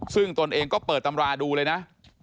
ซึ่งตนเองก็เปิดตำราดูเลยนะ